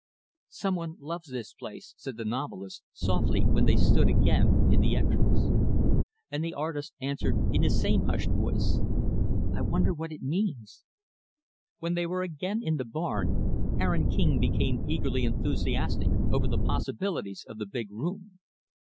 "Some one loves this place," said the novelist, softly, when they stood, again, in the entrance. And the artist answered in the same hushed voice, "I wonder what it means?" When they were again in the barn, Aaron King became eagerly enthusiastic over the possibilities of the big room.